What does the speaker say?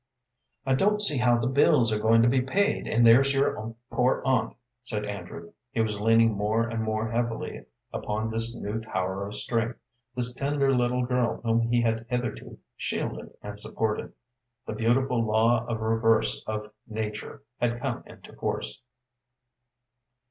"I don't see how the bills are going to be paid, and there's your poor aunt," said Andrew. He was leaning more and more heavily upon this new tower of strength, this tender little girl whom he had hitherto shielded and supported. The beautiful law of reverse of nature had come into force.